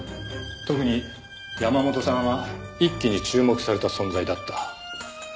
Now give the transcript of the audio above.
特に山本さんは一気に注目された存在だった。